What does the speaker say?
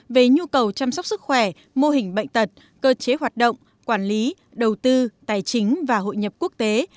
về nhu cầu chăm sóc sức khỏe mô hình bệnh tật cơ chế hoạt động quản lý đầu tư tài chính và hội nhập quốc tế